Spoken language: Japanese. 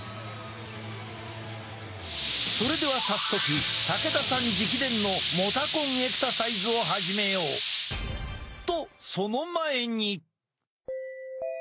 それでは早速武田さん直伝のモタコンエクササイズを始めよう！とその前に。